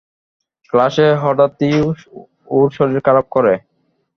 ক্লাসে হঠাৎই ওর শরীর খারাপ করে।